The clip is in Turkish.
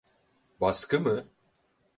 Baskı mı?